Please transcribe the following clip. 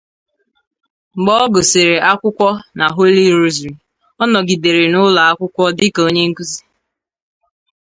Mgbe ọ gụsịrị akwụkwọ na Holy Rosary, ọ nọgidere na ụlọ akwụkwọ dịka onye nkụzi.